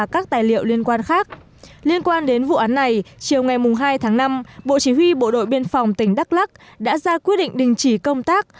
liên quan đến vụ án này chiều ngày hai tháng năm bộ chỉ huy bộ đội biên phòng tỉnh đắk lắc đã ra quyết định đình chỉ công tác